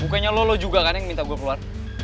bukannya lo lho juga kan yang minta gue keluar